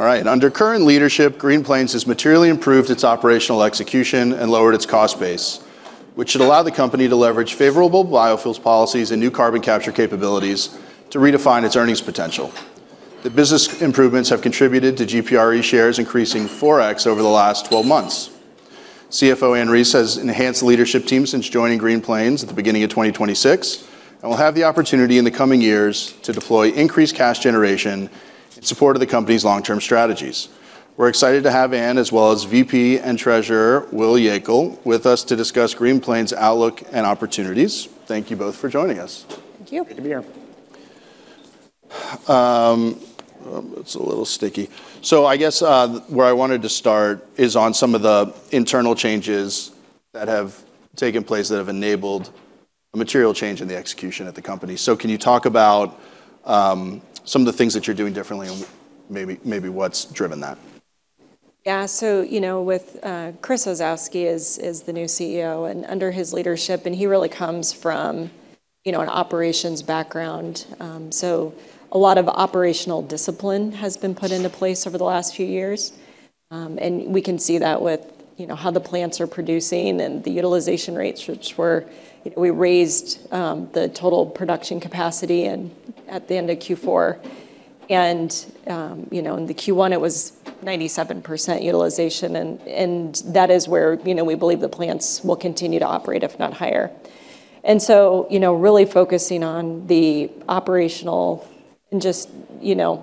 All right. Under current leadership, Green Plains has materially improved its operational execution and lowered its cost base, which should allow the company to leverage favorable biofuels policies and new carbon capture capabilities to redefine its earnings potential. The business improvements have contributed to GPRE shares increasing 4x over the last 12 months. CFO Ann Reis has enhanced the leadership team since joining Green Plains at the beginning of 2026, and will have the opportunity in the coming years to deploy increased cash generation in support of the company's long-term strategies. We're excited to have Ann, as well as VP and Treasurer Will Yeakel with us to discuss Green Plains' outlook and opportunities. Thank you both for joining us. Thank you. Good to be here. It's a little sticky. I guess, where I wanted to start is on some of the internal changes that have taken place that have enabled a material change in the execution at the company. Can you talk about some of the things that you're doing differently and maybe what's driven that? Yeah. You know, with Chris Osowski is the new CEO and under his leadership, and he really comes from, you know, an operations background. A lot of operational discipline has been put into place over the last few years. We can see that with, you know, how the plants are producing and the utilization rates. We raised the total production capacity at the end of Q4. In Q1, it was 97% utilization and that is where, you know, we believe the plants will continue to operate, if not higher. Really focusing on the operational and just, you know,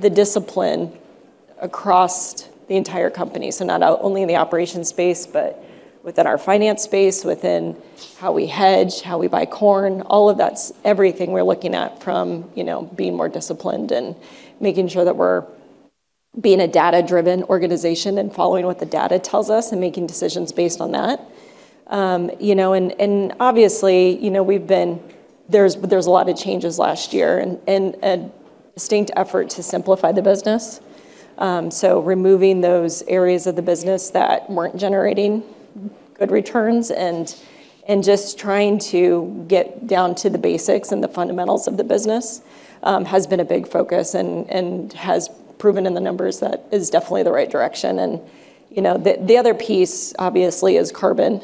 the discipline across the entire company. Not only in the operations space but within our finance space, within how we hedge, how we buy corn, all of that's everything we're looking at from, you know, being more disciplined and making sure that we're being a data-driven organization and following what the data tells us and making decisions based on that. You know, and obviously, you know, there's a lot of changes last year and a distinct effort to simplify the business. Removing those areas of the business that weren't generating good returns and just trying to get down to the basics and the fundamentals of the business, has been a big focus and has proven in the numbers that is definitely the right direction. You know, the other piece, obviously, is carbon,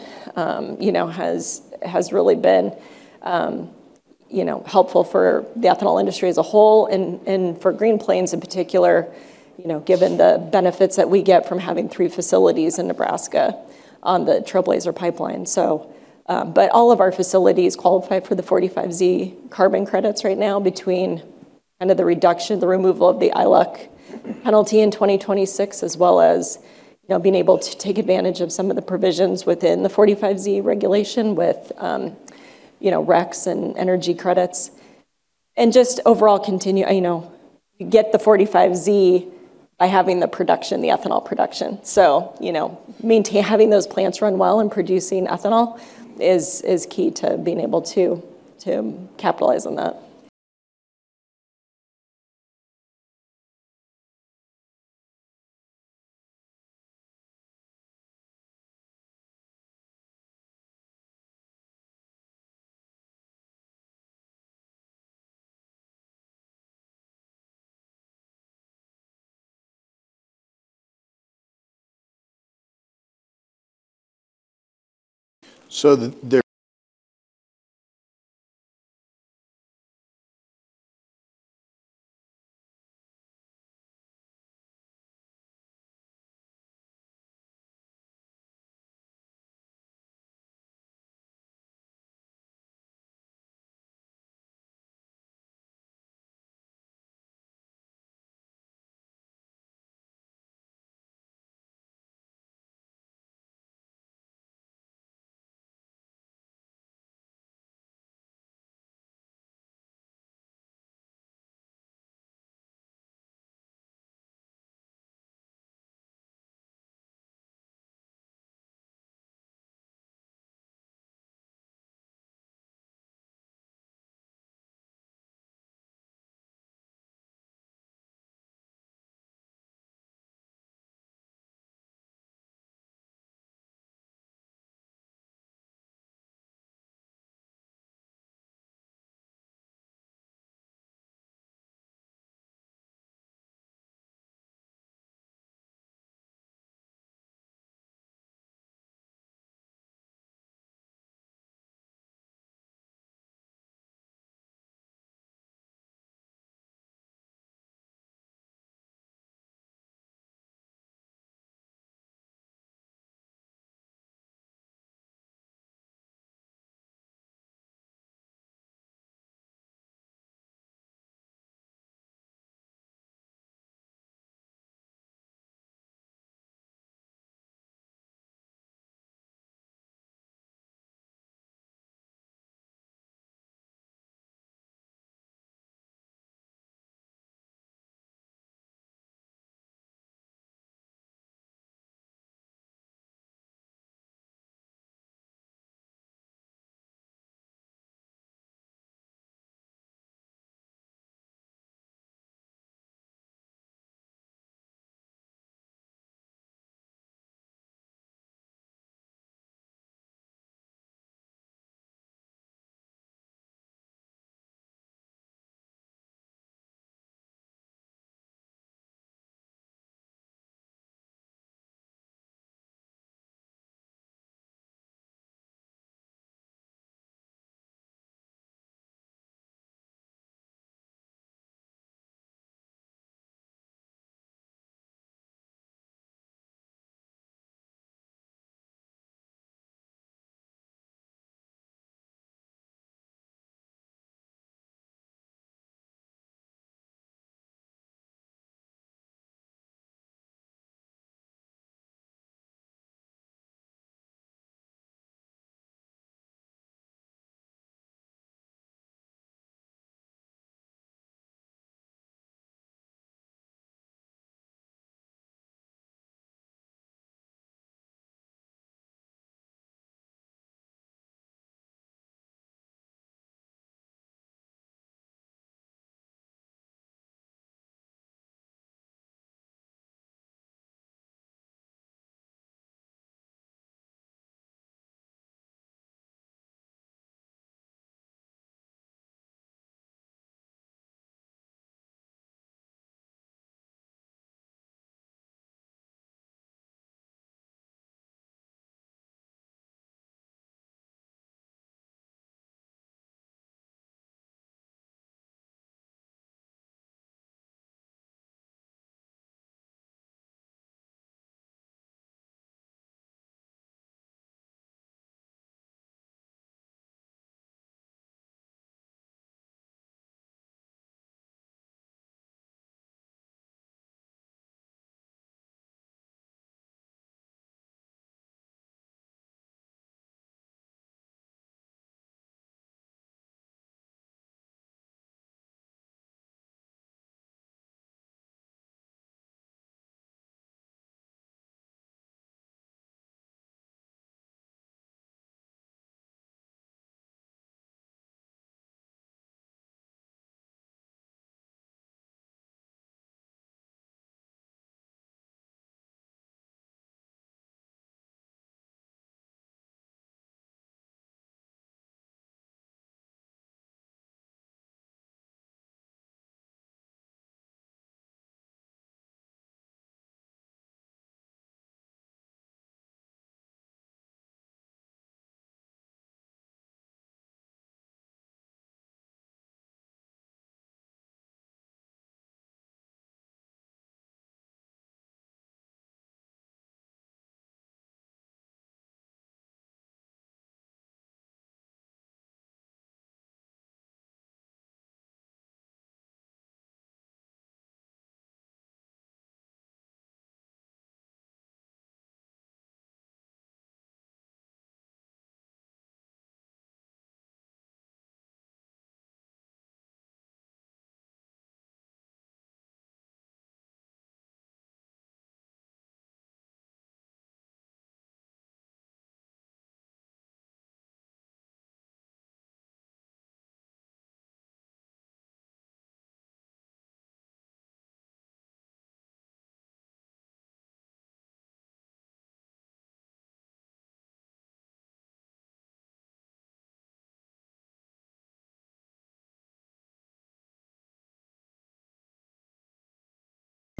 you know, has really been, you know, helpful for the ethanol industry as a whole and for Green Plains in particular, you know, given the benefits that we get from having three facilities in Nebraska on the Trailblazer Pipeline. All of our facilities qualify for the 45Z carbon credits right now between kind of the reduction, the removal of the iLUC penalty in 2026, as well as, you know, being able to take advantage of some of the provisions within the 45Z regulation with, you know, RECs and energy credits. Just overall continue, you know, get the 45Z by having the production, the ethanol production. You know, having those plants run well and producing ethanol is key to being able to capitalize on that.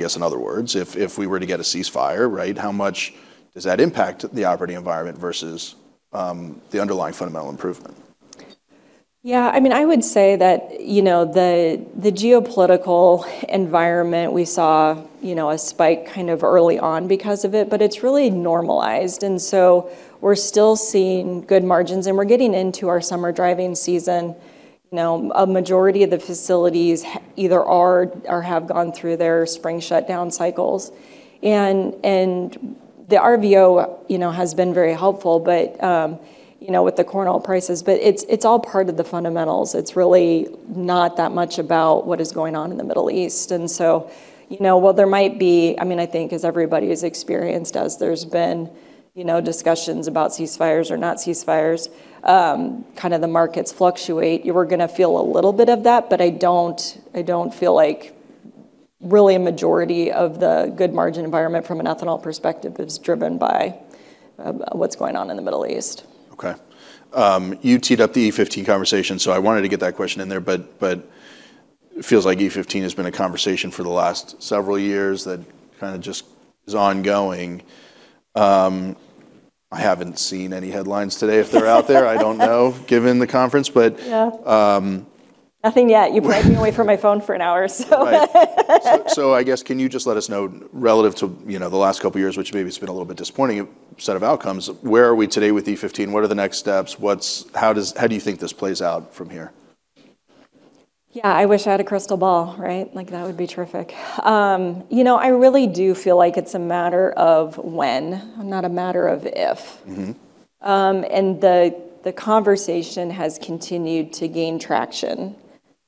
I guess in other words, if we were to get a ceasefire, right, how much does that impact the operating environment versus the underlying fundamental improvement? Yeah, I mean, I would say that, you know, the geopolitical environment, we saw, you know, a spike kind of early on because of it, but it's really normalized. We're still seeing good margins and we're getting into our summer driving season. You know, a majority of the facilities either are or have gone through their spring shutdown cycles. The RVO, you know, has been very helpful, but, you know, with the corn oil prices. It's all part of the fundamentals. It's really not that much about what is going on in the Middle East. You know, while there might be I mean, I think as everybody has experienced, as there's been, you know, discussions about ceasefires or not ceasefires, kinda the markets fluctuate. You are gonna feel a little bit of that, but I don't feel like really a majority of the good margin environment from an ethanol perspective is driven by what's going on in the Middle East. Okay. You teed up the E15 conversation, I wanted to get that question in there. It feels like E15 has been a conversation for the last several years that kinda just is ongoing. I haven't seen any headlines today. If they're out there, I don't know, given the conference. Yeah Um- Nothing yet. You pried me away from my phone for an hour or so. I guess, can you just let us know relative to, you know, the last couple years, which maybe has been a little bit disappointing set of outcomes, where are we today with E15? What are the next steps? How do you think this plays out from here? Yeah, I wish I had a crystal ball, right? Like, that would be terrific. You know, I really do feel like it's a matter of when, not a matter of if. The conversation has continued to gain traction,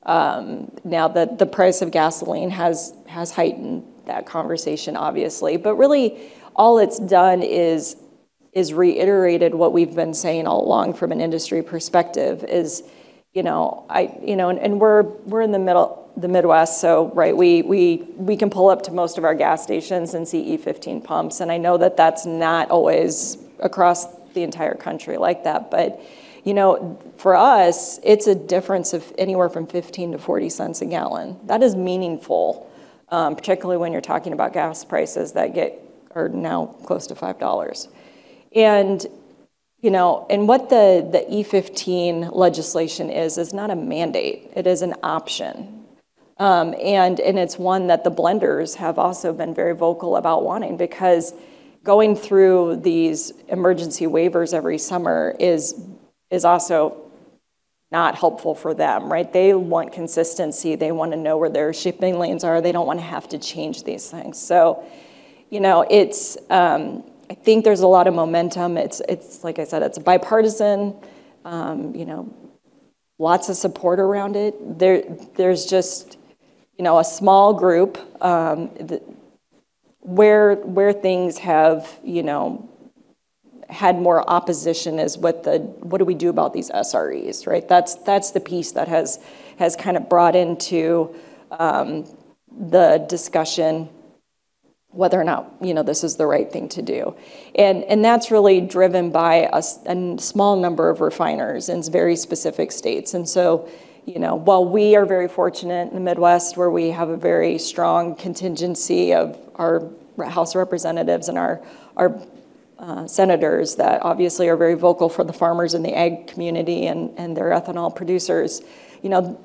now that the price of gasoline has heightened that conversation obviously. Really all it's done is reiterated what we've been saying all along from an industry perspective is, you know, we're in the middle, the Midwest, we can pull up to most of our gas stations and see E15 pumps, and I know that that's not always across the entire country like that. You know, for us, it's a difference of anywhere from $0.15 to $0.40 a gallon. That is meaningful, particularly when you're talking about gas prices that are now close to $5. You know, what the E15 legislation is not a mandate. It is an option. It's one that the blenders have also been very vocal about wanting because going through these emergency waivers every summer is also not helpful for them, right? They want consistency. They wanna know where their shipping lanes are. They don't wanna have to change these things. You know, it's, I think there's a lot of momentum. It's like I said, it's bipartisan, you know, lots of support around it. There's just, you know, a small group that where things have, you know, had more opposition is what the, what do we do about these SREs, right? That's the piece that has brought into the discussion whether or not, you know, this is the right thing to do. That's really driven by a small number of refiners in very specific states. You know, while we are very fortunate in the Midwest where we have a very strong contingency of our house representatives and our senators that obviously are very vocal for the farmers in the ag community and their ethanol producers, you know,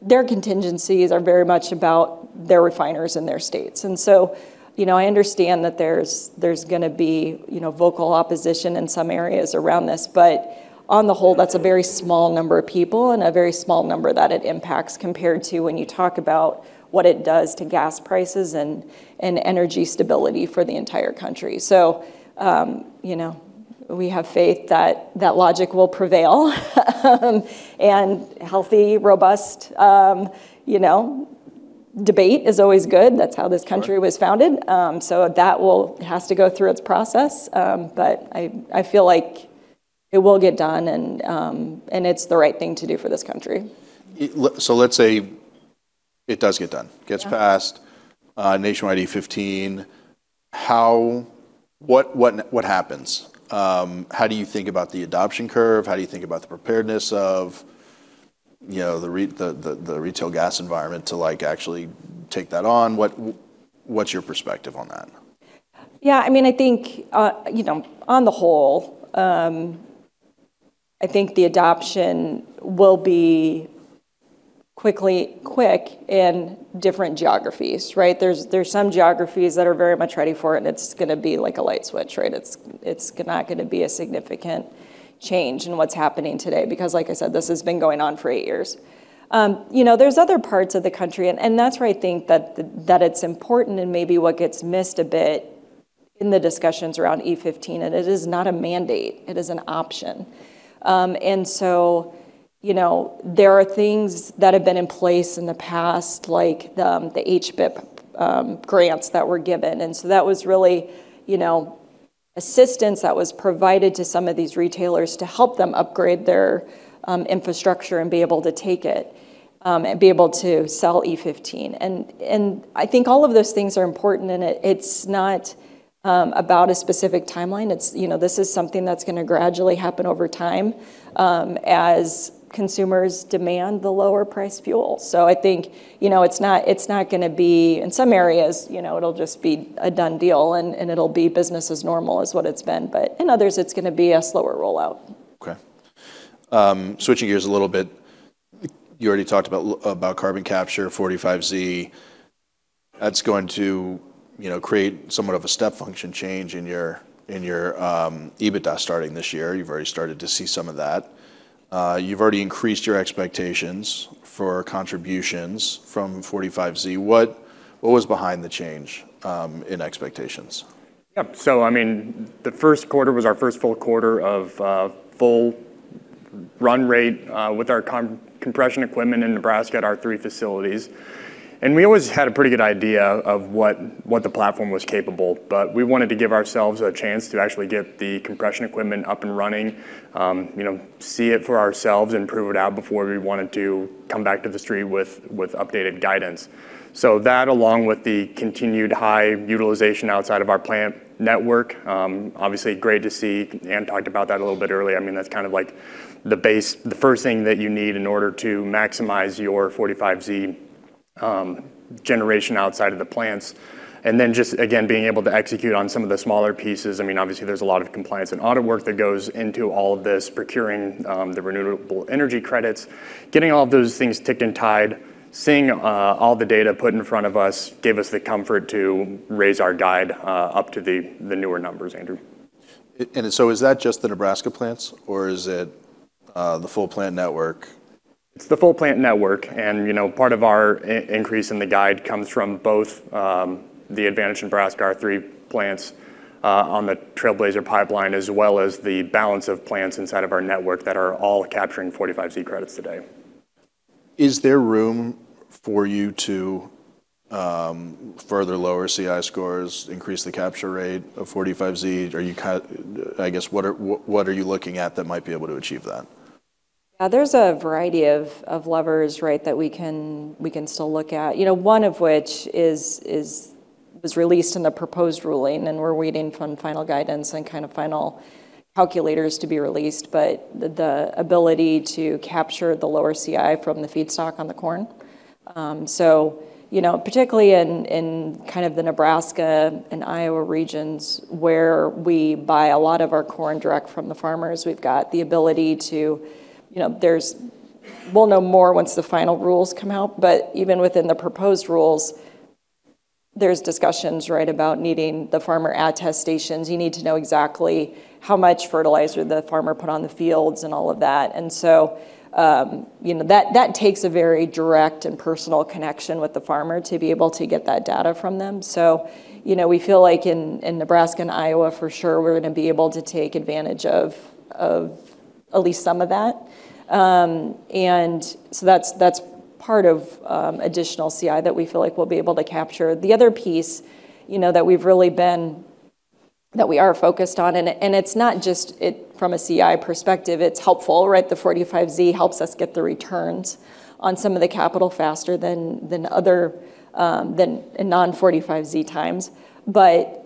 their contingencies are very much about their refiners and their states. You know, I understand that there's gonna be, you know, vocal opposition in some areas around this. On the whole, that's a very small number of people and a very small number that it impacts compared to when you talk about what it does to gas prices and energy stability for the entire country. You know, we have faith that that logic will prevail. And healthy, robust, you know, debate is always good. That's how this country was founded. That it has to go through its process. I feel like it will get done and it's the right thing to do for this country. Let's say it does get done. Yeah. Gets passed, nationwide E15. What happens? How do you think about the adoption curve? How do you think about the preparedness of, you know, the retail gas environment to, like, actually take that on? What's your perspective on that? I think, on the whole, I think the adoption will be quickly quick in different geographies, right. There's some geographies that are very much ready for it and it's gonna be like a light switch, right. It's not gonna be a significant change in what's happening today because, like I said, this has been going on for eight years. There's other parts of the country and that's where I think that it's important and maybe what gets missed a bit in the discussions around E15. It is not a mandate. It is an option. There are things that have been in place in the past, like the HBIIP grants that were given. That was really, you know, assistance that was provided to some of these retailers to help them upgrade their infrastructure and be able to take it and be able to sell E15. I think all of those things are important, and it's not about a specific timeline. It's, you know, this is something that's gonna gradually happen over time as consumers demand the lower price fuel. I think, you know, it's not gonna be In some areas, you know, it'll just be a done deal, and it'll be business as normal as what it's been. In others, it's gonna be a slower rollout. Switching gears a little bit, you already talked about carbon capture, 45Z. That's going to, you know, create somewhat of a step function change in your EBITDA starting this year. You've already started to see some of that. You've already increased your expectations for contributions from 45Z. What was behind the change in expectations? Yeah. I mean, the first quarter was our first full quarter of full run rate with our compression equipment in Nebraska at our three facilities. We always had a pretty good idea of what the platform was capable, but we wanted to give ourselves a chance to actually get the compression equipment up and running, you know, see it for ourselves and prove it out before we wanted to come back to the street with updated guidance. That, along with the continued high utilization outside of our plant network, obviously great to see. Ann talked about that a little bit earlier. I mean, that's kind of like the base, the first thing that you need in order to maximize your 45Z generation outside of the plants. Just, again, being able to execute on some of the smaller pieces. I mean, obviously there's a lot of compliance and audit work that goes into all of this, procuring, the Renewable Energy credits. Getting all of those things ticked and tied, seeing, all the data put in front of us gave us the comfort to raise our guide, up to the newer numbers, Andrew. Is that just the Nebraska plants, or is it, the full plant network? It's the full plant network. You know, part of our increase in the guide comes from both the advantage in Nebraska, our three plants, on the Trailblazer Pipeline, as well as the balance of plants inside of our network that are all capturing 45Z credits today. Is there room for you to further lower CI scores, increase the capture rate of 45Z? What are you looking at that might be able to achieve that? Yeah, there's a variety of levers, right, that we can, we can still look at. You know, one of which is, was released in the proposed ruling and we're waiting on final guidance and kind of final calculators to be released but the ability to capture the lower CI from the feedstock on the corn. You know, particularly in kind of the Nebraska and Iowa regions where we buy a lot of our corn direct from the farmers, we've got the ability to, you know, we'll know more once the final rules come out. Even within the proposed rules, there's discussions, right, about needing the farmer attestations. You need to know exactly how much fertilizer the farmer put on the fields and all of that. You know, that takes a very direct and personal connection with the farmer to be able to get that data from them. You know, we feel like in Nebraska and Iowa for sure, we're gonna be able to take advantage of at least some of that. That's, that's part of additional CI that we feel like we'll be able to capture. The other piece, you know, that we are focused on, it's not just it from a CI perspective, it's helpful, right? The 45Z helps us get the returns on some of the capital faster than other, than in non-45Z times. You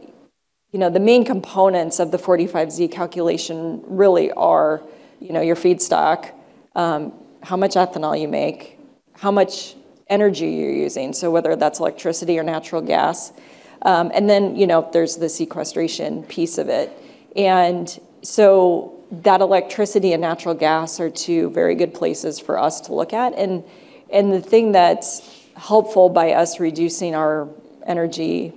know, the main components of the 45Z calculation really are, you know, your feedstock, how much ethanol you make, how much energy you're using, so whether that's electricity or natural gas. Then, you know, there's the sequestration piece of it. That electricity and natural gas are two very good places for us to look at. The thing that's helpful by us reducing our energy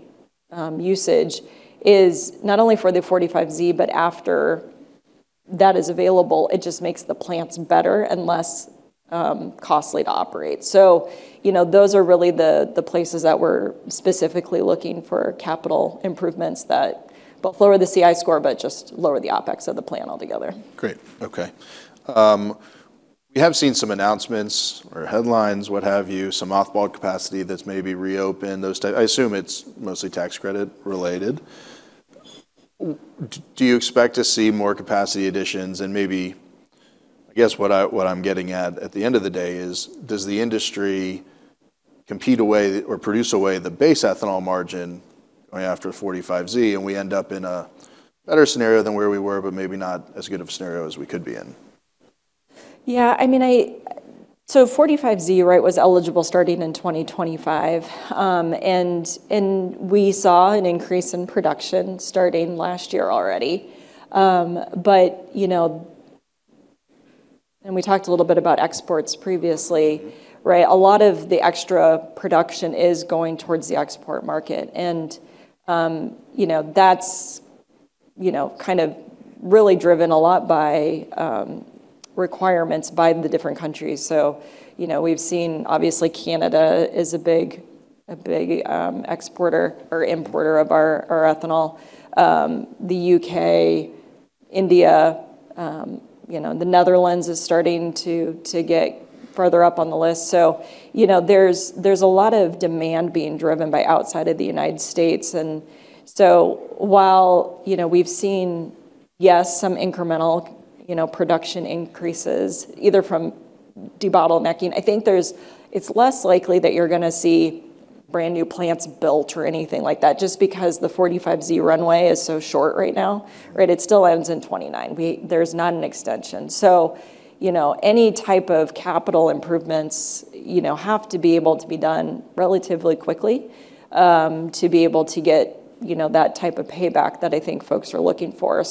usage is not only for the 45Z, but after that is available, it just makes the plants better and less costly to operate. You know, those are really the places that we're specifically looking for capital improvements that both lower the CI score, but just lower the OpEx of the plant altogether. Great. Okay. We have seen some announcements or headlines, what have you, some off-ball capacity that's maybe reopened, those type. I assume it's mostly tax credit related. Do you expect to see more capacity additions and maybe I guess what I'm getting at the end of the day is, does the industry compete away or produce away the base ethanol margin only after a 45Z, and we end up in a better scenario than where we were but maybe not as good of a scenario as we could be in? 45Z, right, was eligible starting in 2025. We saw an increase in production starting last year already. You know, we talked a little bit about exports previously, right? A lot of the extra production is going towards the export market. You know, that's, you know, kind of really driven a lot by requirements by the different countries. You know, we've seen obviously Canada is a big, a big exporter or importer of our ethanol. The U.K., India, you know, the Netherlands is starting to get further up on the list. You know, there's a lot of demand being driven by outside of the United States. While, you know, we've seen, yes, some incremental, you know, production increases either from debottlenecking, it's less likely that you're going to see brand-new plants built or anything like that, just because the 45Z runway is so short right now, right? It still ends in 29. There's not an extension. You know, any type of capital improvements, you know, have to be able to be done relatively quickly, to be able to get, you know, that type of payback that I think folks are looking for. You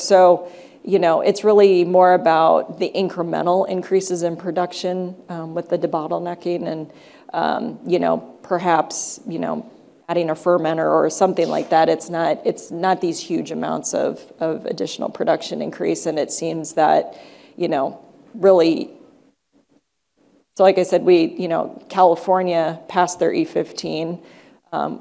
know, it's really more about the incremental increases in production with the debottlenecking and, you know, perhaps, you know, adding a fermenter or something like that. It's not these huge amounts of additional production increase. It seems that, you know, really like I said, you know, California passed their E15.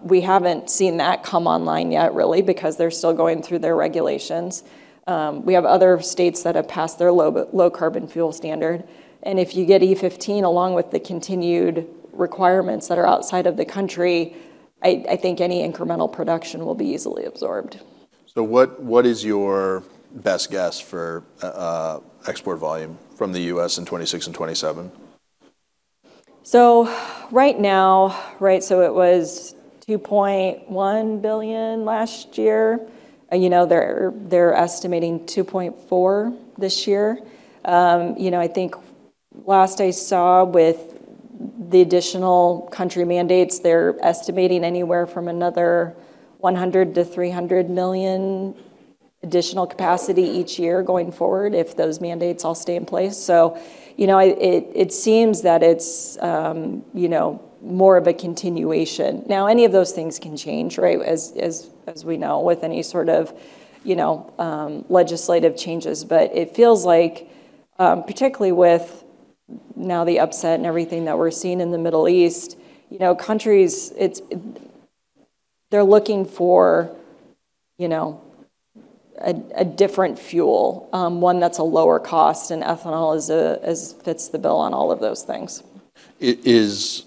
We haven't seen that come online yet really, because they're still going through their regulations. We have other states that have passed their Low Carbon Fuel Standard, and if you get E15 along with the continued requirements that are outside of the country, I think any incremental production will be easily absorbed. What is your best guess for export volume from the U.S. in 26 and 27? Right now, it was $2.1 billion last year. You know, they're estimating $2.4 this year. You know, I think last I saw with the additional country mandates, they're estimating anywhere from another $100 million to $300 million additional capacity each year going forward if those mandates all stay in place. You know, it seems that it's, you know, more of a continuation. Now, any of those things can change, right, as we know, with any sort of, you know, legislative changes. It feels like, particularly with now the upset and everything that we're seeing in the Middle East, you know, countries, they're looking for, you know, a different fuel, one that's a lower cost, and ethanol fits the bill on all of those things. It is,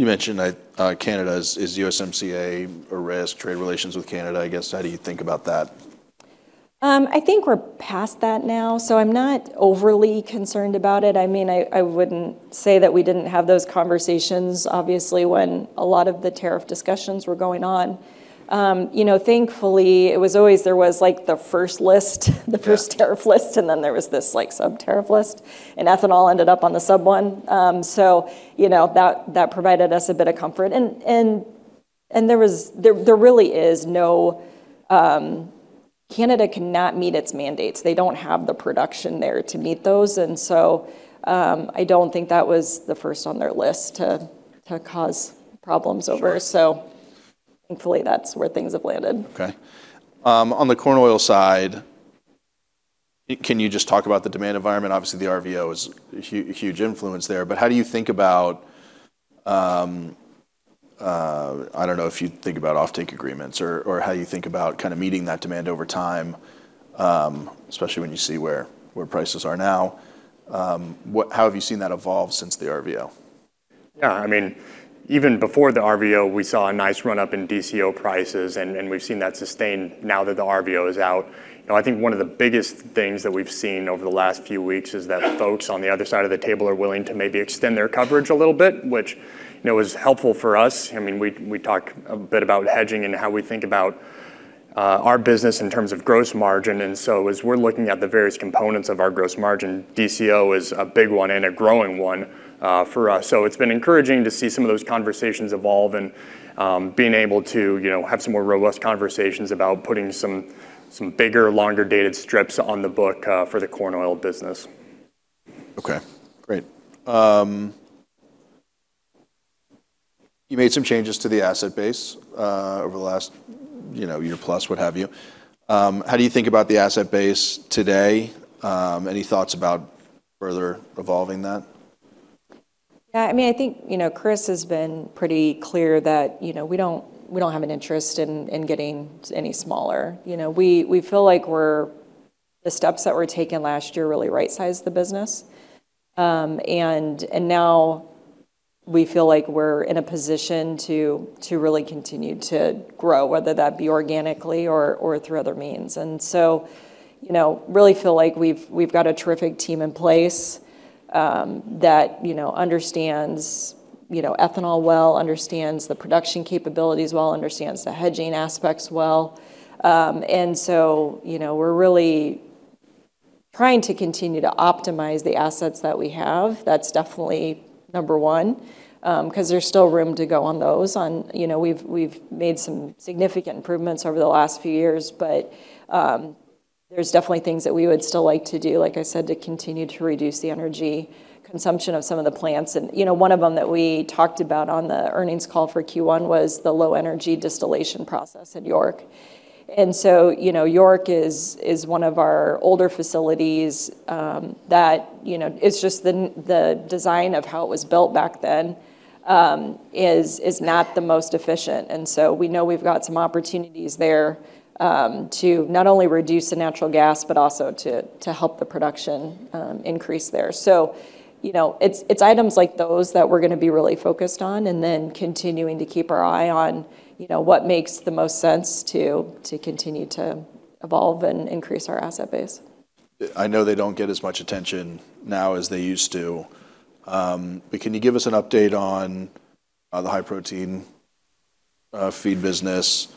you mentioned that Canada is USMCA a risk, trade relations with Canada, I guess. How do you think about that? I think we're past that now, so I'm not overly concerned about it. I mean, I wouldn't say that we didn't have those conversations obviously, when a lot of the tariff discussions were going on. You know, thankfully, it was always, there was, like, the first list. The first tariff list, and then there was this, like, sub-tariff list, and ethanol ended up on the sub one. You know, that provided us a bit of comfort. There really is no, Canada cannot meet its mandates. They don't have the production there to meet those. I don't think that was the first on their list to cause problems over. Hopefully that's where things have landed. Okay. On the corn oil side, can you just talk about the demand environment? Obviously, the RVO is a huge influence there, but how do you think about? I don't know if you think about offtake agreements or how you think about meeting that demand over time, especially when you see where prices are now? How have you seen that evolve since the RVO? Yeah, I mean, even before the RVO, we saw a nice run-up in DCO prices, and we've seen that sustain now that the RVO is out. You know, I think one of the biggest things that we've seen over the last few weeks is that folks on the other side of the table are willing to maybe extend their coverage a little bit, which, you know, is helpful for us. I mean, we talk a bit about hedging and how we think about our business in terms of gross margin. As we're looking at the various components of our gross margin, DCO is a big one and a growing one for us. It's been encouraging to see some of those conversations evolve and being able to, you know, have some more robust conversations about putting some bigger, longer dated strips on the book for the corn oil business. Okay. Great. You made some changes to the asset base over the last, you know, year plus, what have you. How do you think about the asset base today? Any thoughts about further evolving that? Yeah, I mean, I think, you know, Chris has been pretty clear that, you know, we don't have an interest in getting any smaller. You know, we feel like the steps that were taken last year really right-sized the business. Now we feel like we're in a position to really continue to grow, whether that be organically or through other means. You know, really feel like we've got a terrific team in place that, you know, understands ethanol well, understands the production capabilities well, understands the hedging aspects well. You know, we're really trying to continue to optimize the assets that we have. That's definitely number one, because there's still room to go on those. You know, we've made some significant improvements over the last few years but there's definitely things that we would still like to do, like I said, to continue to reduce the energy consumption of some of the plants. You know, one of them that we talked about on the earnings call for Q1 was the low energy distillation process at York. You know, York is one of our older facilities, that, you know, it's just the design of how it was built back then, is not the most efficient. We know we've got some opportunities there, to not only reduce the natural gas but also to help the production increase there. You know, it's items like those that we're gonna be really focused on and then continuing to keep our eye on, you know, what makes the most sense to continue to evolve and increase our asset base. I know they don't get as much attention now as they used to, but can you give us an update on the High Protein, feed business,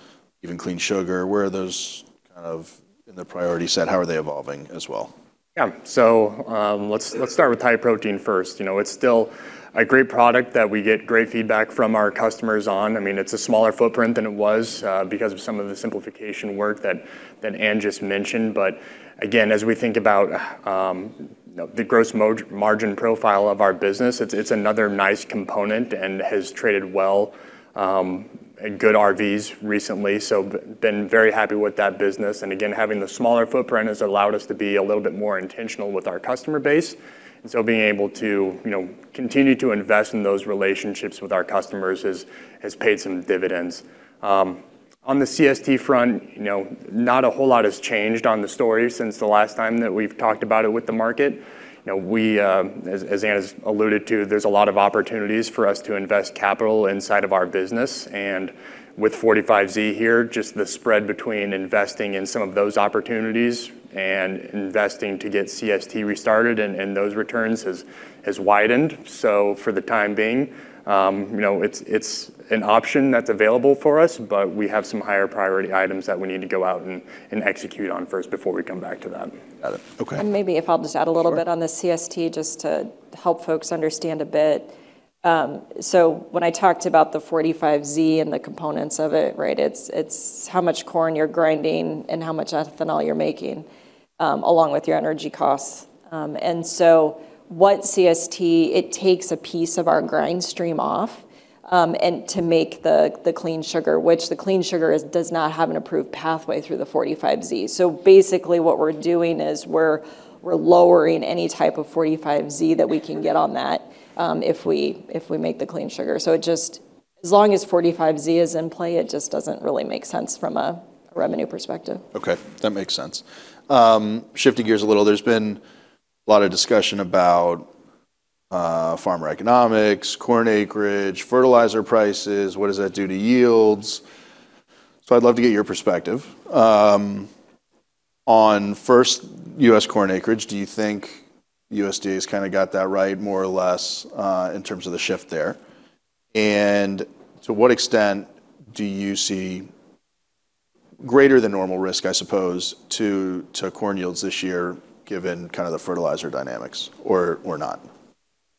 even Clean Sugar? Where are those kind of in the priority set? How are they evolving as well? Let's start with Ultra-High Protein first. You know, it's still a great product that we get great feedback from our customers on. I mean, it's a smaller footprint than it was because of some of the simplification work that Ann Reis just mentioned. Again, as we think about the gross margin profile of our business, it's another nice component, and has traded well, and good RVs recently. Been very happy with that business. Again, having the smaller footprint has allowed us to be a little bit more intentional with our customer base. Being able to, you know, continue to invest in those relationships with our customers has paid some dividends. On the CST front, you know, not a whole lot has changed on the story since the last time that we've talked about it with the market. You know, we, as Ann has alluded to, there's a lot of opportunities for us to invest capital inside of our business. With 45Z here, just the spread between investing in some of those opportunities and investing to get CST restarted and those returns has widened. For the time being, you know, it's an option that's available for us. We have some higher priority items that we need to go out and execute on first before we come back to that. Okay. Maybe if I'll just add a little bit. Sure On the CST just to help folks understand a bit. When I talked about the 45Z and the components of it, right? It's how much corn you're grinding and how much ethanol you're making along with your energy costs. What CST, it takes a piece of our grind stream off, and to make the Clean Sugar, which the Clean Sugar is, does not have an approved pathway through the 45Z. Basically what we're doing is we're lowering any type of 45Z that we can get on that, if we make the Clean Sugar. As long as 45Z is in play, it just doesn't really make sense from a revenue perspective. Okay. That makes sense. Shifting gears a little, there's been a lot of discussion about farmer economics, corn acreage, fertilizer prices. What does that do to yields? I'd love to get your perspective. On first, U.S. corn acreage. Do you think USDA kind of got that right, more or less, in terms of the shift there? To what extent do you see greater than normal risk, I suppose, to corn yields this year given kind of the fertilizer dynamics or not?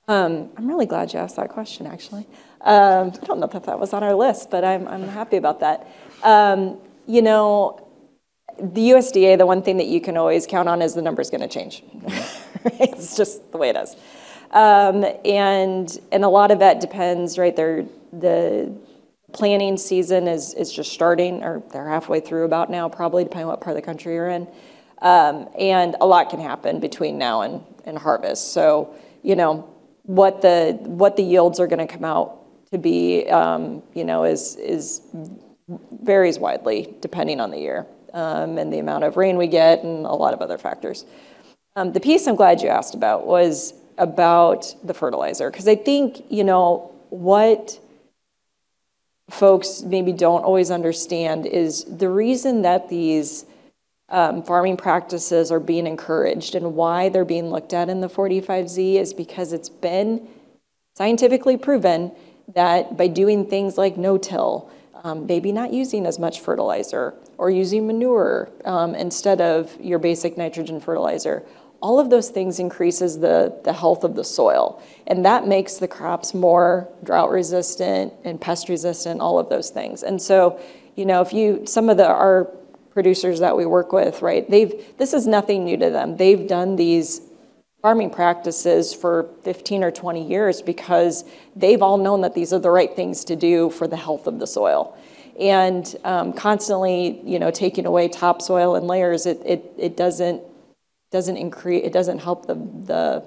I'm really glad you asked that question actually. I don't know if that was on our list, but I'm happy about that. You know, the USDA, the one thing that you can always count on is the number's gonna change. It's just the way it is. A lot of that depends, right, the planning season is just starting or they're halfway through about now probably, depending what part of the country you're in. A lot can happen between now and harvest. You know, what the yields are gonna come out to be, you know, is varies widely depending on the year, and the amount of rain we get and a lot of other factors. The piece I'm glad you asked about was about the fertilizer because I think, you know, what folks maybe don't always understand is the reason that these farming practices are being encouraged and why they're being looked at in the 45Z is because it's been scientifically proven that by doing things like no-till, maybe not using as much fertilizer or using manure instead of your basic nitrogen fertilizer, all of those things increases the health of the soil. That makes the crops more drought resistant and pest resistant, all of those things. You know, some of our producers that we work with, right? They've, this is nothing new to them. They've done these farming practices for 15 or 20 years because they've all known that these are the right things to do for the health of the soil. Constantly, you know, taking away topsoil and layers, it doesn't increase. It doesn't help the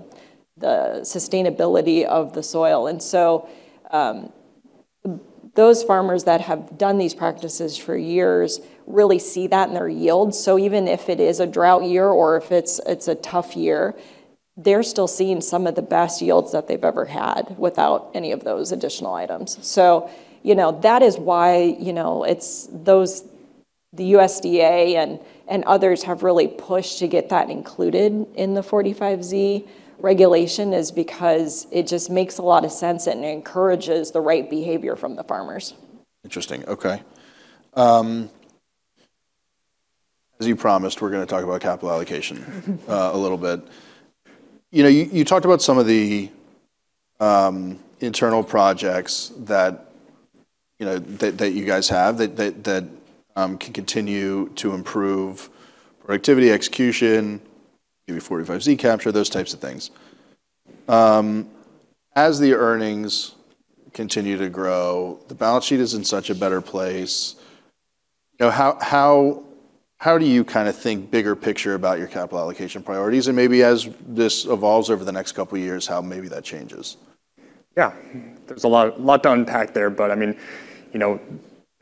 sustainability of the soil. Those farmers that have done these practices for years really see that in their yields. Even if it is a drought year or if it's a tough year, they're still seeing some of the best yields that they've ever had without any of those additional items. You know, that is why, you know, it's the USDA and others have really pushed to get that included in the 45Z regulation is because it just makes a lot of sense and it encourages the right behavior from the farmers. Interesting. Okay. As you promised, we're gonna talk about capital allocation a little bit. You know, you talked about some of the internal projects that, you know, that you guys have that can continue to improve productivity execution, maybe 45Z capture, those types of things. The earnings continue to grow, the balance sheet is in such a better place. How do you think bigger picture about your capital allocation priorities and maybe as this evolves over the next couple years, how maybe that changes? Yeah. There's a lot to unpack there but, I mean, you know,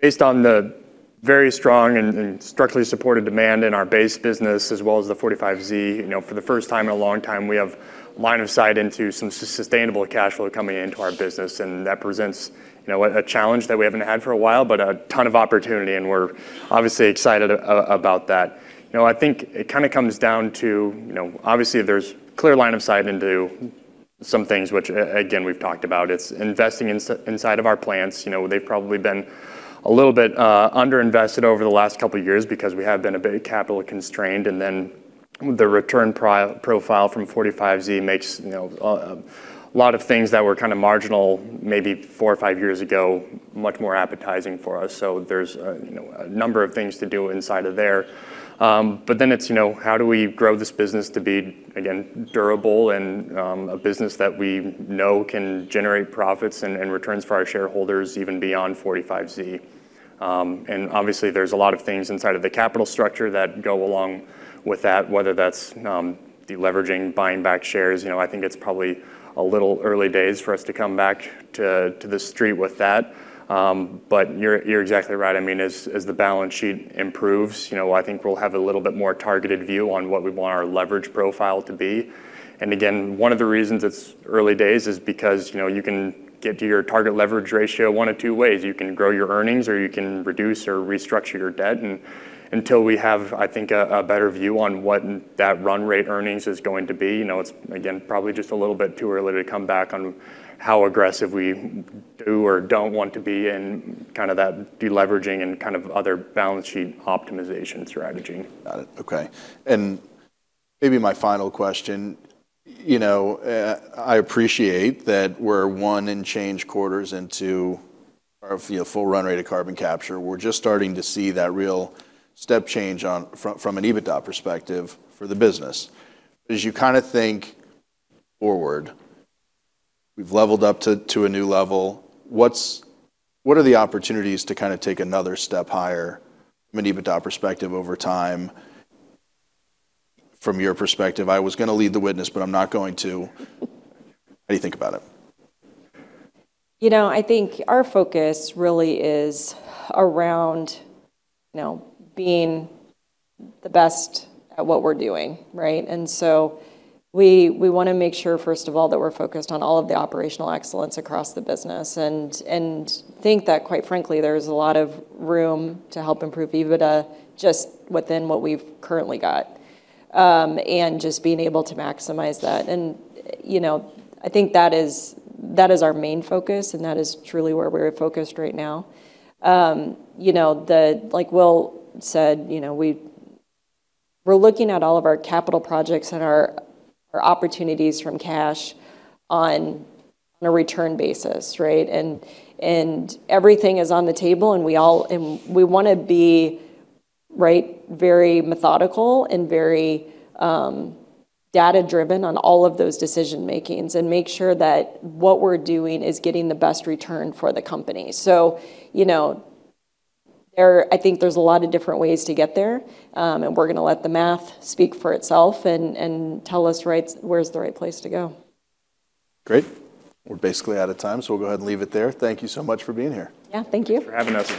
based on the very strong and structurally supported demand in our base business as well as the 45Z, you know, for the first time in a long time we have line of sight into some sustainable cash flow coming into our business and that presents, you know, a challenge that we haven't had for a while, but a ton of opportunity and we're obviously excited about that. You know, I think it comes down to, you know, obviously there's clear line of sight into some things which again, we've talked about. It's investing inside of our plants. You know, they've probably been a little bit underinvested over the last couple years because we have been a bit capital constrained. Then the return profile from 45Z makes, you know, a lot of things that were marginal maybe four or five years ago much more appetizing for us. There's a, you know, a number of things to do inside of there. Then it's, you know, how do we grow this business to be, again, durable and a business that we know can generate profits and returns for our shareholders even beyond 45Z. Obviously there's a lot of things inside of the capital structure that go along with that, whether that's de-leveraging, buying back shares. You know, I think it's probably a little early days for us to come back to the street with that. You're exactly right. I mean, as the balance sheet improves, you know, I think we'll have a little bit more targeted view on what we want our leverage profile to be. Again, one of the reasons it's early days is because, you know, you can get to your target leverage ratio one of two ways. You can grow your earnings or you can reduce or restructure your debt. Until we have, I think, a better view on what that run rate earnings is going to be, you know, it's, again, probably just a little bit too early to come back on how aggressive we do or don't want to be in kind of that de-leveraging and kind of other balance sheet optimization strategy. Got it. Okay. Maybe my final question, you know, I appreciate that we're one and change quarters into our, you know, full run rate of carbon capture. We're just starting to see that real step change on, from an EBITDA perspective for the business. As you think forward, we've leveled up to a new level, what are the opportunities to take another step higher from an EBITDA perspective over time from your perspective? I was gonna lead the witness, but I'm not going to. How do you think about it? You know, I think our focus really is around, you know, being the best at what we're doing, right? We wanna make sure first of all that we're focused on all of the operational excellence across the business and think that quite frankly there's a lot of room to help improve EBITDA just within what we've currently got, and just being able to maximize that. You know, I think that is our main focus and that is truly where we're focused right now. You know, the, like Will said, you know, we're looking at all of our capital projects and our opportunities from cash on a return basis, right? Everything is on the table and we wanna be, right, very methodical and very data driven on all of those decision makings and make sure that what we're doing is getting the best return for the company. You know, there, I think there's a lot of different ways to get there, and we're gonna let the math speak for itself and tell us right, where's the right place to go. Great. We're basically out of time so we'll go ahead and leave it there. Thank you so much for being here. Yeah, thank you. Thanks for having us.